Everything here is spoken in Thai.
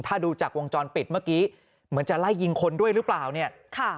ถ้าดูจากวงจรปิดเมื่อกี้เหมือนจะไล่ยิงคนด้วยหรือเปล่าเนี่ยค่ะ